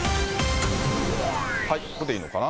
ここでいいのかな？